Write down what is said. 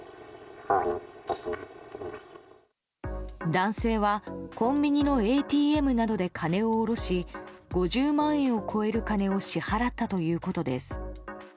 男性はコンビニのＡＴＭなどで金を下ろし５０万円を超える金を支払ったということです。